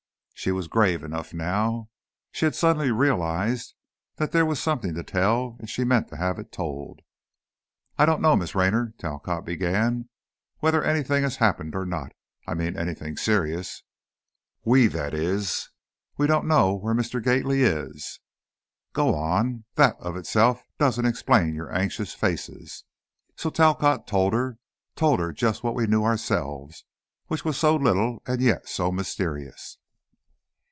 She was grave enough now. She had suddenly realized that there was something to tell, and she meant to have it told. "I don't know, Miss Raynor," Talcott began, "whether anything has happened, or not. I mean, anything serious. We that is, we don't know where Mr. Gately is." "Go on. That of itself doesn't explain your anxious faces." So Talcott told her, told her just what we knew ourselves, which was so little and yet so mysterious.